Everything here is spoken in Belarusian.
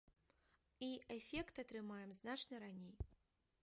І эфект атрымаем значна раней.